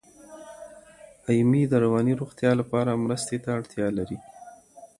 ایمي د رواني روغتیا لپاره مرستې ته اړتیا لري.